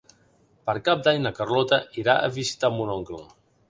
Per Cap d'Any na Carlota irà a visitar mon oncle.